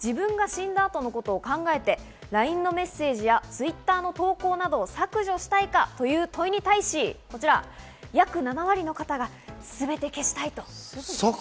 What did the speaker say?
その中で自分が死んだ後のこと考えて、ＬＩＮＥのメッセージやＴｗｉｔｔｅｒの投稿などを削除したいかという問いに対し、約７割の方がすべて消したいと。